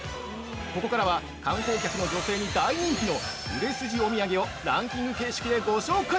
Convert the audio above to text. ここからは、観光客の女性に大人気の売れ筋お土産をランキング形式でご紹介。